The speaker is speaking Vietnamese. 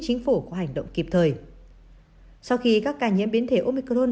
chính phủ có hành động kịp thời sau khi các ca nhiễm biến thể omicron